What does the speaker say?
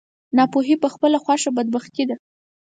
ناپوهي په خپله خوښه بدبختي ده.